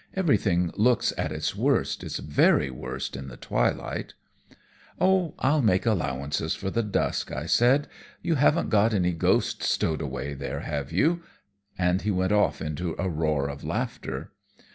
Everything looks at its worst its very worst in the twilight." "Oh, I'll make allowances for the dusk," I said. "You haven't got any ghosts stowed away there, have you?" And he went off into a roar of laughter.